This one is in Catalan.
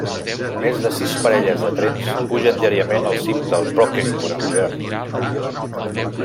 Més de sis parelles de trens pugen diàriament al cim del Brocken durant l'hivern.